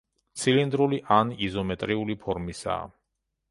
ცილინდრული ან იზომეტრიული ფორმისაა.